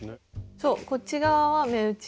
そうこっち側は目打ち。